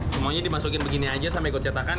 semuanya dimasukin begini aja sampai ikut cetakan